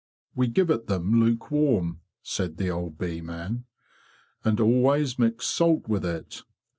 ""We give it them Iukewarm,"' said the old bee man, '' and always mix salt with it.